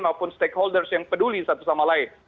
maupun stakeholders yang peduli satu sama lain